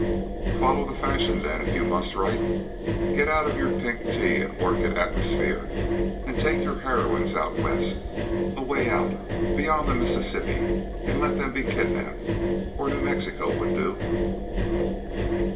"Follow the fashion then if you must write. Get out of your pink tea and orchid atmosphere, and take your heroines out West away out, beyond the Mississippi, and let them be kidnapped. Or New Mexico would do."